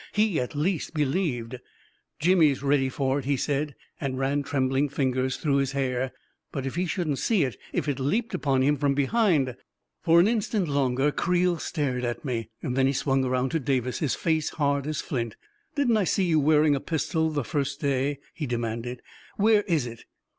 He, at least, be lieved 1 "Jimmy's ready for it! " he said, and ran trem bling fingers through his hair. " But if he shouldn't see it ! If it leaped upon him from behind !<" For an instant longer Creel stared at me, then he swung around to Davis, his face hard as flint. " Didn't I see you wearing a pistol the first day? " he demanded.. " Where is it?